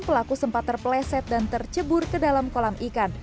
pelaku sempat terpeleset dan tercebur ke dalam kolam ikan